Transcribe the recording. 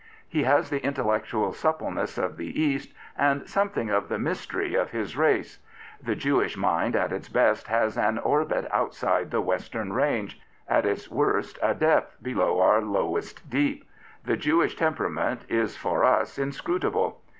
He has the intellectual suppleness of the East, and something of the mystery of his race. The Jewish mind at its best has an orbit outside the Western range, at its worst a depth below our lowest deep; the Jewish temperament is for us inscnitable.